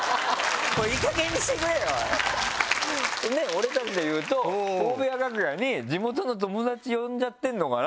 俺たちでいうと大部屋楽屋に地元の友達呼んじゃってるのかなって。